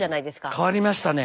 変わりましたね。